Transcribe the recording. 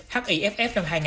hiff năm hai nghìn một mươi chín